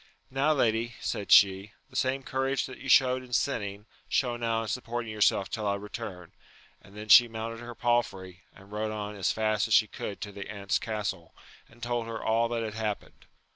Now, lady, said she, the same courage that you showed in sinning, show now in supporting your self till I return ; and then she mounted her palfrey, and rode on as fast as she could to the aunt's castle, and told her all that had happened.